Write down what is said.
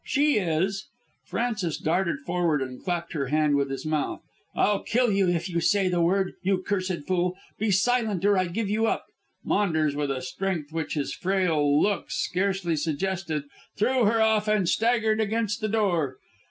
She is " Frances darted forward and clapped her hand on his mouth. "I'll kill you if you say the word. You cursed fool. Be silent or I give you up." Maunders, with a strength which his frail looks scarcely suggested, threw her off and staggered against the door.